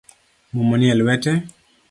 Muma nie lwete